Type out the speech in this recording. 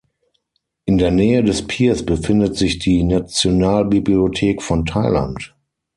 In der Nähe des Piers befindet sich die Nationalbibliothek von Thailand.